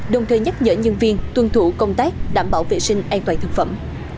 đồng thời nhắc nhở nhân viên tuân thủ công tác đảm bảo vệ sinh an toàn thực phẩm